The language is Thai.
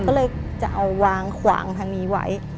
ก็เลยจะเอาวางขวางทางนี้ไว้